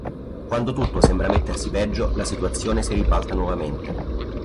Quando tutto sembra mettersi peggio, la situazione si ribalta nuovamente.